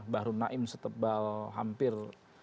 bahru naim setebal hampir